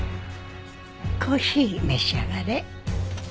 コーヒー召し上がれ。